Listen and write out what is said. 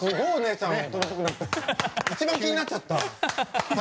一番気になっちゃった。